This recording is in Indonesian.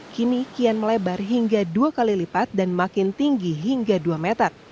kini kian melebar hingga dua kali lipat dan makin tinggi hingga dua meter